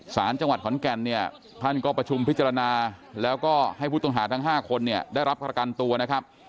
สารจังหวัดขอนแก่นเนี่ยท่านก็ประชุมพิจารณาแล้วก็ให้ผู้ต้องหาทั้ง๕คนเนี่ยได้รับประกันตัวนะครับ